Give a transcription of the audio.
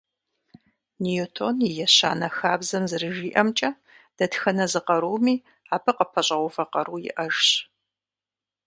Ньютон и ещанэ хабзэм зэрыжиӏэмкӏэ, дэтхэнэ зы къаруми, абы къыпэщӏэувэ къару иӏэжщ.